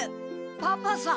パパさん！